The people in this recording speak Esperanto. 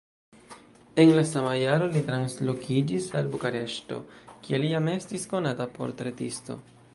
En la sama jaro li translokiĝis al Bukareŝto, kie li jam estis konata portretisto.